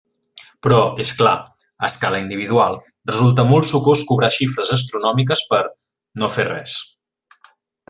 Però, és clar, a escala individual, resulta molt sucós cobrar xifres astronòmiques per... no fer res.